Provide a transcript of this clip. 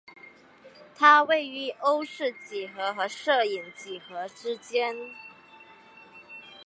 它位于欧氏几何和射影几何之间。